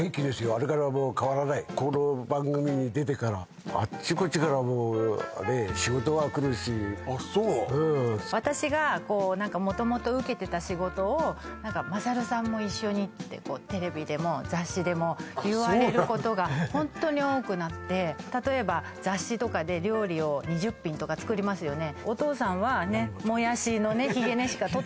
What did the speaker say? あれからも変わらないこの番組に出てからあっちこっちからもうねえ仕事はくるしうんあっそう私がこう何か元々受けてた仕事をってこうテレビでも雑誌でもあっそうなんだ言われることがホントに多くなって例えば雑誌とかで料理を２０品とか作りますよね